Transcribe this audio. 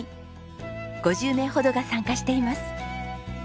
５０名ほどが参加しています。